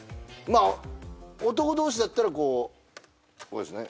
まあ男同士だったらこうこうですね